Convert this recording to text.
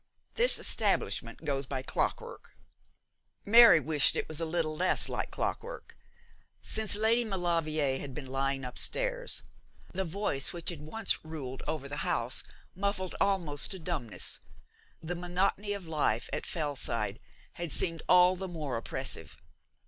This establishment goes by clockwork.' Mary wished it was a little less like clockwork. Since Lady Maulevrier had been lying upstairs the voice which had once ruled over the house muffled almost to dumbness the monotony of life at Fellside had seemed all the more oppressive.